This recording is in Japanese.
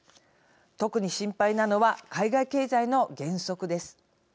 特に、心配なのは海外経済の減速です。